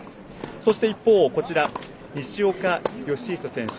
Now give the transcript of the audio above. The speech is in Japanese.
そして一方、西岡良仁選手。